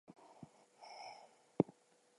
An example of this is Beta Lyrae.